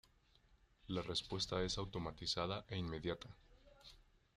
La respuesta es automatizada e inmediata.